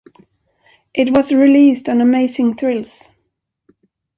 It was released on Amazing Thrills!